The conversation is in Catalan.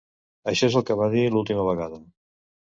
Això és el que va dir l'última vegada.